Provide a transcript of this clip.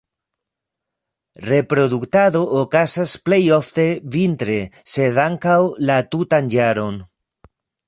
Reproduktado okazas plej ofte vintre, sed ankaŭ la tutan jaron.